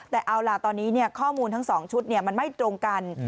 แต่เอาล่ะตอนนี้ข้อมูลทั้ง๒ชุดมันไม่ตรงกัน